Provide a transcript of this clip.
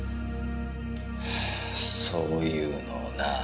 そういうのをなあ